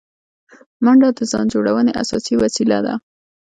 منډه د ځان جوړونې اساسي وسیله ده